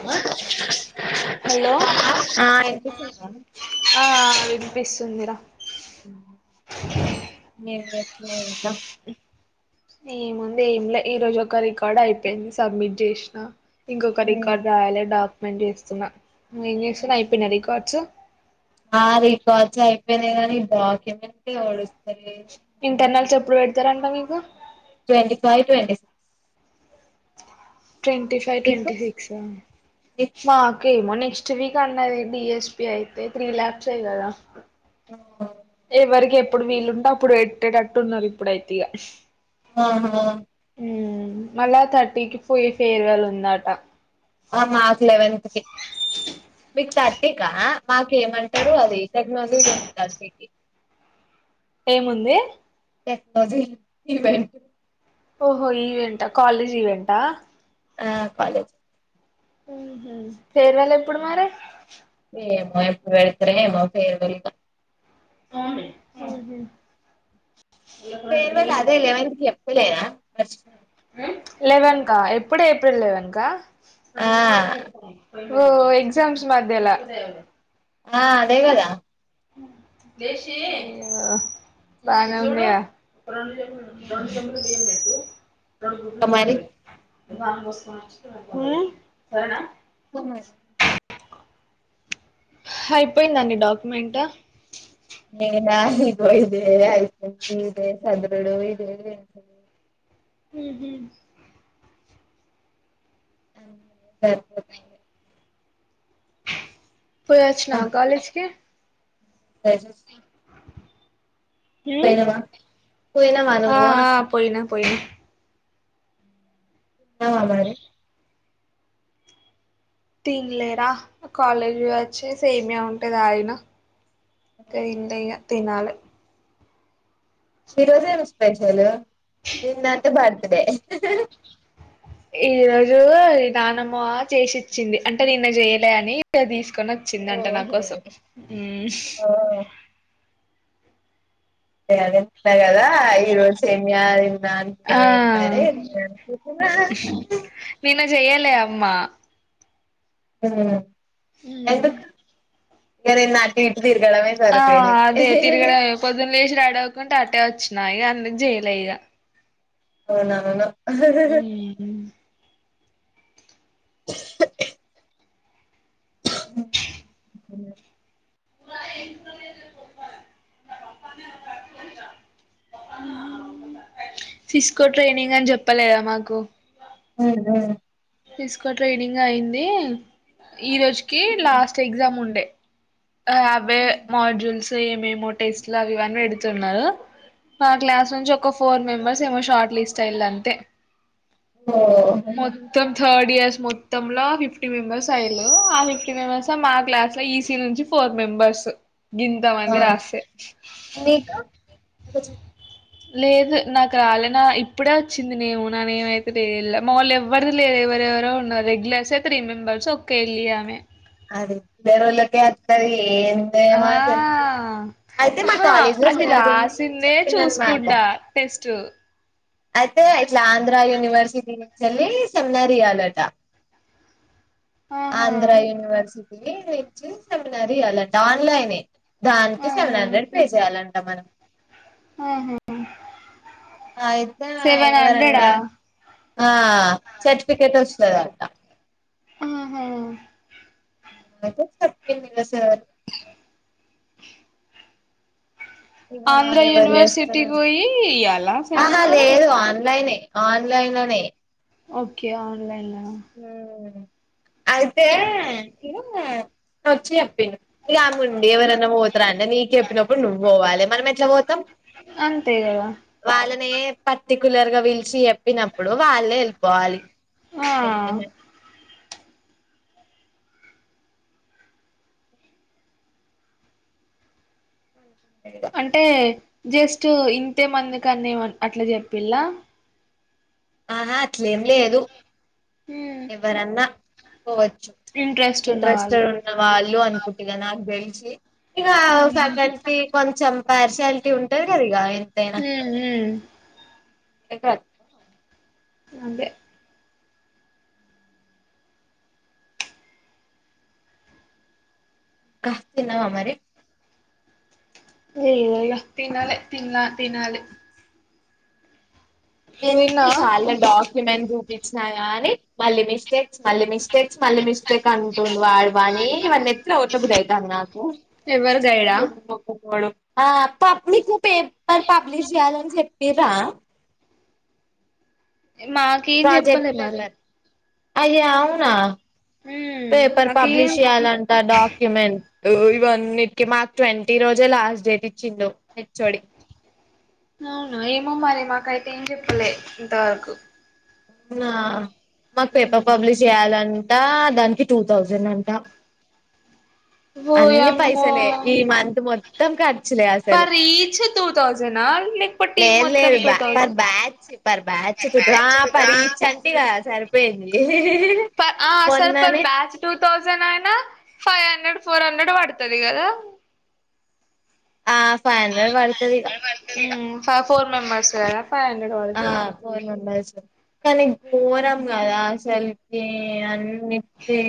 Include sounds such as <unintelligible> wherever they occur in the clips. Hello <inaudible> hello ఆ ఆ వినిపిస్తుందిరా. అవునా ఏం చేస్తున్నావ్ ఇంకా. ఏముంది ఏం లే ఈ రోజు ఒక రికార్డు అయిపోయింది సబ్మిట్ చేసినా ఇంకొక రికార్డ్ రాయాలి, డాక్యుమెంట్ చేస్తున్నా. నువ్వెంచేస్తునవ్ అయిపోయినయా రికార్డ్స్. ఆ రికార్డ్స్ అయిపోయినాయ్ గానీ, డాక్యుమెంటే ఒడుస్త ఇంటర్నల్స్ ఎప్పుడు పెడతరంట మీకు? ట్వంటిఫైవ్, ట్వంటిసిక్స్ ట్వంటీఫై, మీకు ట్వంటీసిక్సా మీకు మాక్ కి మోనెక్స్ట్ వీక్ అన్నది. డి. ఎ. స్పి అయితే త్రీ ల్యాబ్స్ ఏ గదా. ఓహొ అప్పుడు వీళ్ళుంట అప్పుడు. ఎట్టేటట్టు ఉన్నారు ఇప్పుడైతీగా. అవునా ఉమ్ మళ్ళా థర్టీకి ఫూయి ఫేయిర్వెల్ ఉందాట. ఆ మాక్ లెవెన్త్ కి థర్టీకా మాకేమంటారు అది. టెక్నాలజీలో ఉందసేకి ఏముంది టెక్నజీ ఈవెంట్ ఓహో ఈవెంట్ఆ కాలేజ్ ఈవెంట ఆ కాలేజ్ ఉహు ఫేర్వెల్ ఎప్పుడు మరి ఏమో ఎప్పుడు వెడుతురే ఏమ ఫేరు వెల్ <unintelligible> ఫేర్వెల్ అదే ఎలెవెన్ కి చేప్పులేనా మర్ లెవెన్కా ఎప్పుడు ఏప్రిల్ లెవెన్కా ఆ ఓ ఎక్సామ్స్ మధ్యలా ఆ అదే కదా అయ్యో బానేవుందిగా ఇంకా <inaudible> మరి <unintelligible> స అయిపోయిందండి డాక్యుమెంట్ నేనా ఇదే <unintelligible> ఇదే సద్రుడు ఇదే అ ఉహు <inaudible> పోయి వచ్చినావ కాలేజ్ కి పోయిసేసి వచ్చిన పోయినవా పోయినవా ఆ నువు ఆ అంటునా పోయినా పోయినా అ మరి తినలేరా కాలేజీ పోయి వచ్చి సేమియా ఉంటే తాగిన ఇంతే ఇగ తనాలి ఈరోజ ఏం స్పెషల్ నిన్నంత బర్త్ డే ఈ రోజు దానమా చేసిచ్చింది అంటే నిన్న చేయలే అని ఇ తీసు తీకొని వచ్చిందంట నా ఓహో కోసం ఓ <inaudible> అ కదా ఈ రోజు సేమియా నీనా అంత ఆ అనుకుున్నాను ఏంటే నేను అతున్నా నిన్న చెయలే అమ్మా ఉమ్ ఎందుకు ఇగ నిన్న అటు ఇటు తిరగడమే ఆ అదే సరిపోయింది తిరుగడ పొద్దున లేసి రెడీ అడవకుంటే అట్టే వచ్చినా ఇ అందకు చేయలే ఇక అవును అవును హ్మ్మ్ సిస్కో ట్రైనింగ్ అని చెప్పలేదా మాకు హ్మ్మ్ హ్మ్మ్ సిస్కో ట్రైనింగ్ అయింది ఈ రోజుకి లాస్ట్ ఎగ్జామ్ ఉండే ఆ అవే మాడ్యూల్స్ ఏమేమో టేస్ట్లు అవి ఇవన్నీ పెడుతున్నారు మా క్లాస్ నుంచి ఒక ఫోర్ మెంబర్స్ ఏమో షార్ట్ లిస్ట్ అయిల్ అంతే ఓ మొత్తం థర్డ్ ఇయర్స్ మొత్తల ఫిఫ్టీ మెంబెర్స్ అయ్యలు ఆ ఫిఫ్టీ మెంబర్స్ మా క్లాస్ లో ఈసీ నుంచి ఫోర్ మెంబెర్స్ గింత మంది రాసే కోచ్ లేదు నాకు రాలే నా ఇప్పుడే వచ్చింది నేము నానే ఏమైతే లేలే మామ్ వాళ్ళ ఎవ్వరిది లే ఎవరెవరో ఉన్నారు రెగ్యులర్సే త్రీ మెంబర్స్ ఒకే వెళ్ళి ఆమె అదె బేరళ్ళకి ఎత్తది ఏంద ఆ మా సాలికి అయితే మా ఆహా కాలేజ్ లో అది సారుడి రాసిందే చెప్పిన్నమాట చూసుకుంటా టెస్ట్ అయితే ఇట్లా ఆంధ్ర యూనివర్సిటీ నుంచి వెళ్ళి సెమినార్ ఇయాలట ఆహా ఆంధ్ర యూనివర్సిటీ నుంచి సెమినార్ ఇయ్యాలంట ఆన్లైనే దానికి సెవెన్ ఆహా హండ్రెడ్ పే చేయ్యాలంట మనం ఆహా అయితే సెవెన్ ఎవరన హండ్రెడా ఆ సర్టిఫికేట్ వస్తదంట ఉహు ద చెప్పద సార్ ఇక ఆంధ్ర ఎవరు యూనివర్సిటీకి చేస్తారండి పోయి ఇయ్యాలా ఆహా సెమినార్ లేదు ఆన్లైన్ ఆన్‌లైన్ లోనీ ఓకే ఆన్లైన్ లో మ్ అయితే నను వచ్చి చెప్పిండు ఇగ ముందే ఎవరన్నా పోతారా అంటే నీకు చెప్పినప్పుడు నువ్వు పోవాలి మనం ఎట్లా పోతాం ఆంథే గద వే పర్టికులర్ గా పీలిచి చెప్పినప్పుడు వాళ్ళే వెళ్ళిపోవాలి ఉ ఆ <unintelligible> అంటే జస్ట్ ఇంతే మంది కానీ అట్లా చెప్పిలా ఆహా అట్లేం లేదు ఉమ్ ఎవ్వరన్న కోవచ్చు ఇంట్రెస్ట్ ఉన్న వాళ్ళు ఇంట్రెస్టెడ్ ఉన్న వాళ్ళు అనుకుంటుగా నాకు తెెలిషి ఇగ ఉహు ఫ్యాకల్టీ కొంచం పారిషాలిటీ ఉంటది కది ఇగా ఉమ్ హు ఏ కాద్ అంతె కాస్ తినవా మరి ఏ ఇ తినాలి తిన్లా తినాలి నువ్వు ఎన్ని తిన్నావా సార్లు డాక్యుమెనెన్ని చూపించినా మళ్ళీ మిస్టేక్స్ మళ్ళీ మిస్ మటేక్స్ మళ్ళీ మిస్టేక్ అంటుండు వాడవాని ఇవన్నీ ఎట్లా కొట్టబుది ఐతది నాకు ఎవరు గైడా బూ <inaudible> ఆ పాబ్లికు పేపర్ పబ్లిష్ చేయ్యాలని చెప్పిరా మాకేం చెప్పలే మరి అయ అవునా హ్మ్ పేపర్ మాకేం పబ్లిష్ చేయ్యాలంట డాక్యుమెంట్ ఊ వంటికి మాకు ట్వంటీ రోజే లాస్ట్ డేట్ ఇచ్చి హెచ్చోడి అవునా ఏమో మరి మాకైతే ఏం చెప్పలే ఇంతవరకు నా మాకు పేపర్ పబ్లిష్ చేయ్యాలంట దానికి టూ థౌజండ్ అంట అన్ని ఓయమ్మో పైసలే ఈ మంత్ మొత్తం క అసలు పర్ ఈచ్ టూ థౌజండా లేకపోతే టీమ్ లేదు మొత్తం లేదు two per thousand batch per బ్యా అచ్చిత్రా ఆ పరీ ఇచ్చంట కదా సరిపోయింది పర్ ఆ అసలు పర్ మొన్ననే బ్యాచ్ టూ థౌజండ్ అయినా ఫైవ్ హండ్రెడ్ ఫోర్ హండ్రెడ్ పడతది కదా ఆ ఫైవ్ హండ్రెడ్ పడతదిగా ఫ ఫోర్ మెంబర్స్ కద ఫైవ్ హండ్రెడ్ ఆ పదుతాది ఫోర్ మెంబర్స్ కానీ ఘోరం కదా అసలుకి అన్నిటి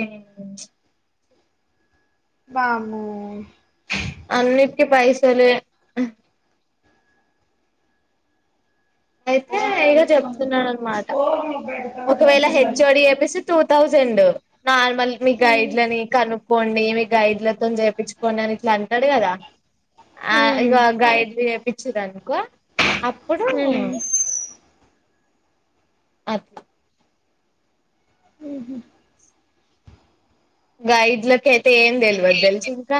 వామ్ము అన్నిటికి పైసలే అయితే ఇగ చెప్తున్నాడు అనమాట ఒకవేళ హెచ్ఓడి చెప్పేసిూ థౌజండ్ నార్మల్ మీ హ్మ్ గైడ్లని కనుక్కోండి మీ గైడ్ల మొత్తం చేయిచుకోని అని ఇట్లా అంటాడు కదా ఆ ఇక గైడ్ చెపిచ్చిరనుకో అప్పుడు హ్మ్ అద్ ఉహుం గైడ్ల కైతే ఏం తెలివదు తెలిసి ఇంకా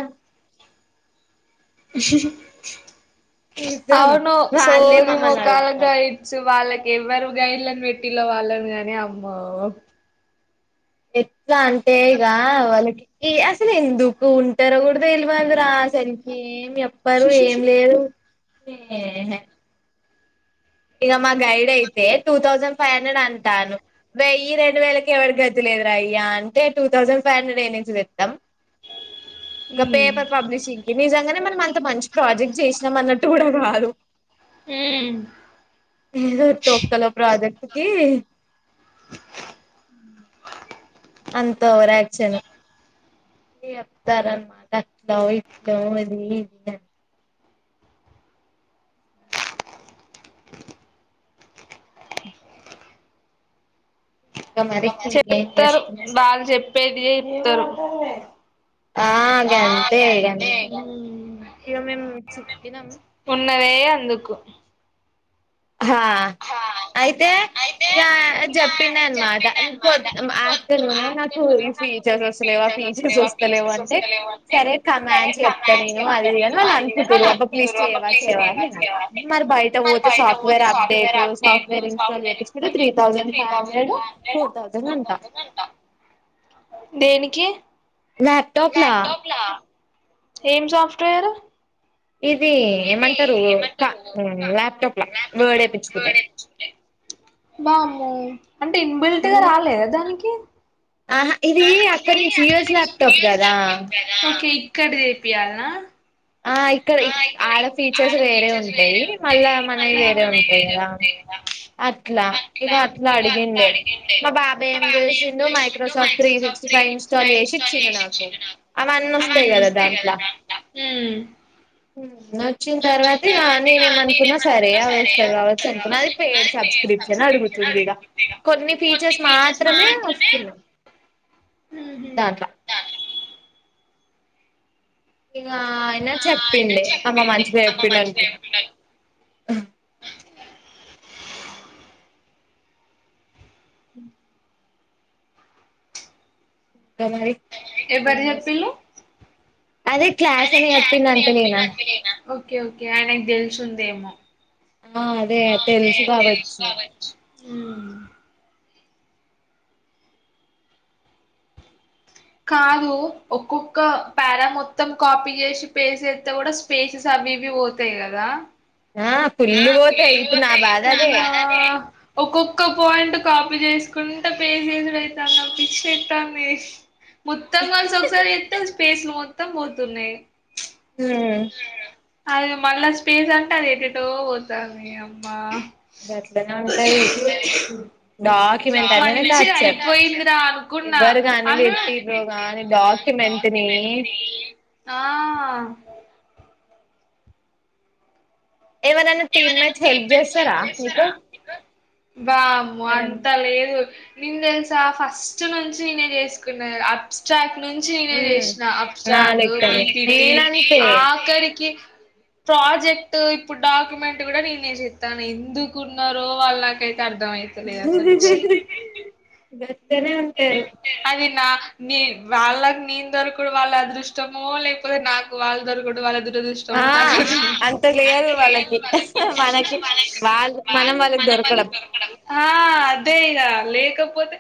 నిజం అవును వాళ్ళే సోది మమ్మల్ని మొకాలుగా అడుగుతారు అయిచ్చు వాళ్ల ఎవ్వరు గైల్ళని పెట్టిల్లో వాళ్ళని గాని అమ్మో ఎట్లా అంటే ఇగ వాళ్ళకి ఏ అసలు ఎందుకు ఉంటారో కూడా తెల్వదురా అసలికి ఏం చెప్పరు ఏం లేదు ఏహే ఇగ మా గైడ్ అయితే టూ థౌజండ్ ఫైవ్ హండ్రెడ్ అంటాను, వెయ్యి రెండు వేలకి ఎవరికీ గతిలే దురా అయ్యా అంటే టూ థౌజండ్ ఫైవ్ హండ్రెడ్ ఏడ నుంచి తెత్తాం గా ఉమ్ పేపర్ పబ్లిషింగ్ కి నిజంగానే మనం అంత మంచి ప్రాజెక్ట్ చేసినాం అన్నట్టు కూడా కాదు ఉమ్ ఏందో తొక్కలో ప్రాజెక్ట్ కి ఉండాల అంత ఓవరాక్షన్ ఇగ చెప్తారు అన్నమాట అట్లో ఇట్లో అది ఇది అని ఇక మరి ఇంకేం చెప్తారు చేస్తున్నా వాళ్ళు చెప్పేది యే ఎప్తారు ఆ గంతే ఇగ <inaudible> న్నదే అందుకు హా హా అయితే అయితే ఇగ ఇక జప్ పిన్ అన్మాట చెప్పింది అన్ అనమాట <unintelligible> ఆఫ్టర్నూన్ ఏమో నాకు ఆఫ్టర్నూన్ యూ సీ నాకు చ్చేసి ఈ వస్తలేవా ఫీచర్స్ వస్తలేవు ఆ వస్తలేవా ఫీచర్స్ అంటే వస్తలేవు అంటే సరే సరే కమాన్ చెప్తా కమాండ్స్ నేను అది చెప్తా ఇది అని నేను వాళ్ళు అది ఇది అనుకుం అని టురు వాళ్ళు అబ్బా ప్లీస్ అనుకుంటారు ఒక చేయవా ప్లీజ్ చేయవా అని ఫేమస్ నేను అన్నా చేయాలి మరి బైట మరి పోతే బయట సాఫ్ట్వేర్ ర పోతే update software update software install software చేపిచ్చినరు ఇన్స్టాల్ త్రీ చేయించుకుంటే thousand three five thousand hundred five hundred four thousand two అంట దేనికి ల్యాప్టాప్ లా ఏం సాఫ్ట్వేర్ ఇది ఇది ఏమంటారు క ఏమంటారు క ల్యాప్టాప్ లా లాప్టాప్ వర్డ్ ఏపించుకుంటే ల <inaudible> బామ్మో అంటే ఇన్బిల్ట్ గా అవునా రాలేదా దానికి ఆహా ఇది అక్కడ నుంచి యూఎస్ ల్యాప్టాప్ కదా ఓకే క్కడ జేపియాల్నా ఆ ఇక్కడ ఆడ ఫీచర్స్ వేరే ఫీచర్స్ ఉంటాయి వేరే మళ్ళా ఉంటాయి మనవి మళ్ళా వేరే మనయి ఉంటాయి వేరే కదా ఉంటాయి కదా అట్లా ఇక అట్లా అడిగిండే మా బాబాయ్ ఏం చేసిండు Microsoft three sixty five install చేసి ఇచ్చిండు నాకు అవన్నొస్తాయి అవన్నీ కదా వస్తాయి దాంట్ల ఉమ్ వచ్చిన తర్వాత ఇగ ఇక నేనేం అనుకున్నా సరే నేనేమనుకున్నా అవి వస్తాది అది కావచ్చు వస్తుంది అనుకున్నా అది కాబట్టి పెయిడు చెప్పినది పేడ్ సబ్స్క్రిప్షన్ పెరుగుతుందిగా అడుగుతుంది ఇక కొన్ని ఫీచర్స్ మాత్రమే వస్తున్నాయి ఊహూ దాంట్లో ఇగ అయిన ఇక ఆయన చెప్పిండే అమ్మ చెప్పింది మంచిగా అమ్మ చెప్పిండనుకున్నా మర్చిపోయకుండా ఏం ఎవరు చేస్తున్నావ్ చెప్పిళ్ళు అదే క్లాస్ అని చెప్పింది అంటలేనా ఓకే ఓకే ఆయనకు తెలుసుందేమో ఆ అదే తెలుసు కావచ్చు హుమ్ కాదు ఒక్కొక్క పారా మొత్తం కాపీ చేసి పేస్ట్ చేస్తే గూడ స్పేసెస్ అ అవివి పోతాయి గదా ఆ ఫుల్లు ఆ పోతాయి ఫుల్లు ఇప్పుడు నా పోతాయ్ బాధ అదే ఒక్కొక్క పాయింట్ కాపీ చేసుకుంట పేస్ట్ చేసి పెడతన్న పిచేకుతాంది మొత్తం కలిసి ఒకసారి చేతే స్పేస్లు మొత్తం పోతున్నాయ్ హా అది మళ్ళా స్పేస్ అంటే అది ఎటెటో పోతాంది అమ్మ గట్లనే ఉంటది డాక్యుమెంట్ అనేది మంచిగ టార్చర్ అయిపోయిందిరా అనుకున్నా ఎవ్వరు గాని అ పెట్టిర్రో గాని డాక్యుమెంట్ ని ఆ ఏవరైనా టీమ్ మేట్స్ హెల్ప్ చేస్తారా మీకు వామ్మో అంత లేదు నేను తెలుసా ఫస్ట్ నుంచి నేనే చేసుకున్నా అబ్స్ట్రాక్ట్ నుంచి నేనే హ్మ్ చేసినా నా అబస్ట్రాక్ట్ లెక్కనే పిపిటి నేనంతే ఆఖరికి ప్రాజెక్ట్ ఇప్పుడు డాక్యుమెంట్ కూడా నేనే చేత్తానా ఎందుకు ఉన్నారో వాళ్ళ నాకైతే అర్థమయిత లేదు అసలు ఛీ గనే ఉంటారు అది నా నే వాళ్ళకి నేను దొరుకుడు వాళ్ళ అదృష్టమో లేకపోతే నాకు వాళ్లు దొరుకుడు వాళ్ళ అదృష్టం ఆ అంత లేదు వాళ్ళకి మనకి వాళ్ళు మనం వాళ్ళకి దొరకడం ఆ అదే ఇక లేకపోతే